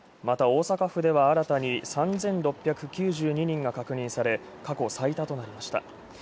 また、大阪府では新たに３６９２人が確認され過去最多となりました。